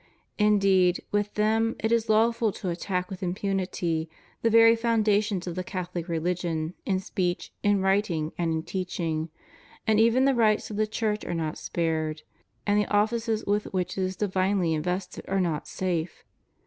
Indeed, with them it is lawful to attack with impunity the very foundations of the CathoUc religion, in speech, in writing, and in teaching; and even the rights of the Church are not spared, and the ofiices with which it is divinely invested are not safe.